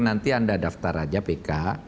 nanti anda daftar aja pk